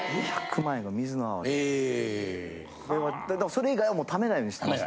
それ以外はもう貯めないようにしてます